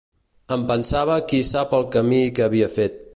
Em pensava qui sap el camí que havia fet